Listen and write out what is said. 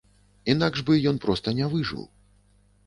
Інакш бы ён проста не выжыў.